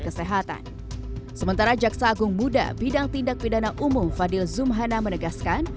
kesehatan sementara jaksa agung muda bidang tindak pidana umum fadil zumhana menegaskan